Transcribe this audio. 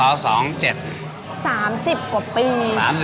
๓๐กว่าปี